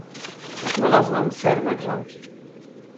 Znalazłam ser na grzanki.